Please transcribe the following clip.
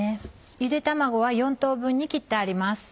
ゆで卵は４等分に切ってあります。